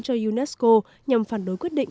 cho unesco nhằm phản đối quyết định